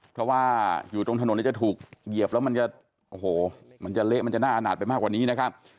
เพราะว่าอยู่ตรงถนนจะถูกเหยียบแล้วมันจะโอ้โหมันจะเละมันจะน่าอาณาจไปมากกว่านี้นะครับ